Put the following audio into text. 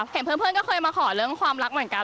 เห็นเพื่อนก็เคยมาขอเรื่องความรักเหมือนกัน